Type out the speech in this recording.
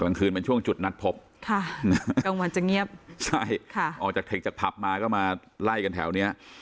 กลางคืนเป็นช่วงจุดนัดพบค่ะกลางวันจะเงียบใช่ค่ะออกจากเทคจากผับมาก็มาไล่กันแถวเนี้ย